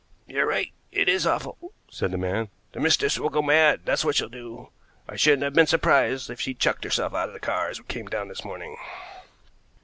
"You're right, it is awful," said the man. "The mistress will go mad, that's what she'll do. I shouldn't have been surprised if she'd chucked herself out of the car as we came down this morning."